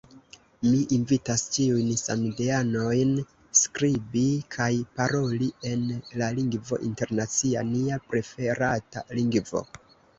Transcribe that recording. Mi invitas ĉiujn samideanojn skribi kaj paroli en la lingvo internacia, nia preferata lingvo.